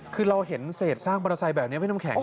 คือเราเห็นเศษซากมอเตอร์ไซค์แบบนี้พี่น้ำแข็ง